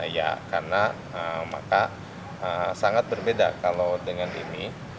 ya karena maka sangat berbeda kalau dengan ini